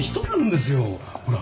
ほら。